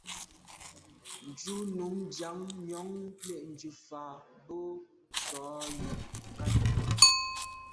Njù num ndàn njon le’njù fa bo sô yub nkage.